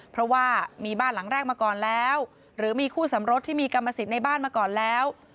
เพราะว่ามีบ้านหลังแรกมาก่อนแล้วหรือมีคู่สำรสที่มีกรรมสิทธิ์ในบ้านมาก่อนแล้ว